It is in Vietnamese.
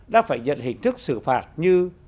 đã phải nhận hình thức xử phạt như